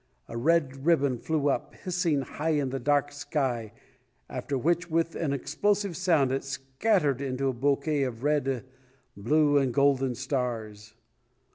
A red ribbon flew up, hissing, high in the dark sky, after which, with an explosive sound, it scattered into a bouquet of red, blue, and golden stars.